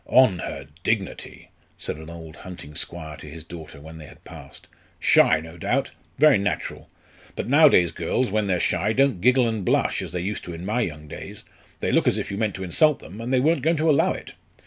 "On her dignity!" said an old hunting squire to his daughter when they had passed. "Shy, no doubt very natural! But nowadays girls, when they're shy, don't giggle and blush as they used to in my young days; they look as if you meant to insult them, and they weren't going to allow it!